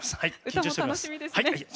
歌も楽しみですね。